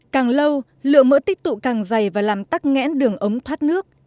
càng lâu lượng mỡ tích tụ càng dày và làm tắt ngẽn đường ống thoát nước